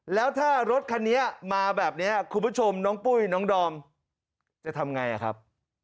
แล้วถ้ารถคันนี้มาแบบนี้คุณผู้ชมน้องปุ้ยน้องดอมจะทำไงครับ